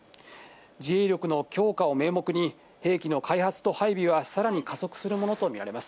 自衛力の強化を名目に、兵器の開発と配備はさらに加速するものと見られます。